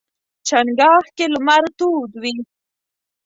چنګاښ کې لمر تود وي.